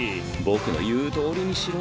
僕の言うとおりにしろ。